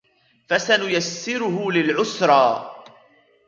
فسنيسره للعسرى